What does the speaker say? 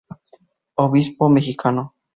Obispo mexicano.